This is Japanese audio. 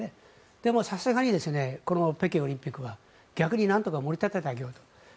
でも、さすがにこの北京オリンピックは逆になんとか盛り立ててあげようと。